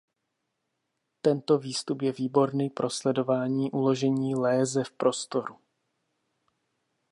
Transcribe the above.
Tento výstup je výborný pro sledování uložení léze v prostoru.